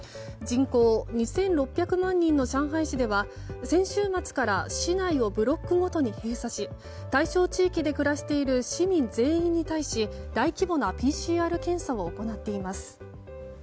人口２６０万人の上海市内では市内をブロックごとに閉鎖し対象地域で暮らしている市民全員に対し大規模なＰＣＲ検査を行っています。